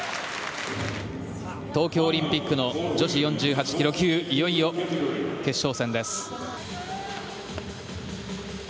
東京オリンピックの女子４８ｋｇ級いよいよ決勝戦です。